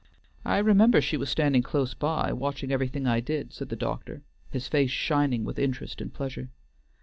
"I remember she was standing close by, watching everything I did," said the doctor, his face shining with interest and pleasure.